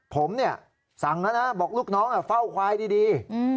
ผมเนี่ยสั่งแล้วนะบอกลูกน้องเฝ้าควายดี